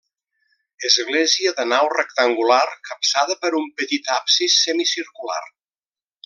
Església de nau rectangular capçada per un petit absis semicircular.